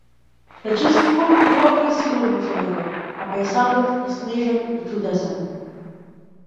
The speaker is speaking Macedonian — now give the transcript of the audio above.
Се чувствувам убаво и сигурно со него, а пејзажот е снежен и чудесен.